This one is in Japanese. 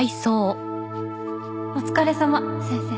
お疲れさま先生。